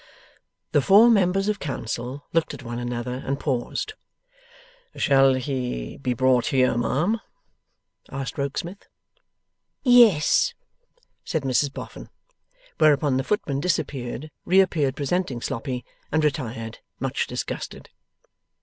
The four members of Council looked at one another, and paused. 'Shall he be brought here, ma'am?' asked Rokesmith. 'Yes,' said Mrs Boffin. Whereupon the footman disappeared, reappeared presenting Sloppy, and retired much disgusted.